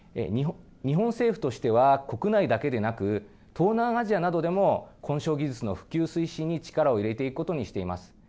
日本政府としては国内だけでなく東南アジアなどでも混焼技術の普及推進に力を入れていくことにしています。